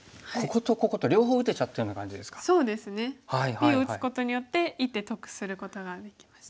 Ｂを打つことによって１手得することができました。